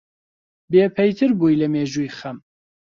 بێپەیتر بووی لە مێژووی خەم